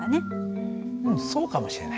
うんそうかもしれないね。